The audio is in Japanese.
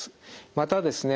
またですね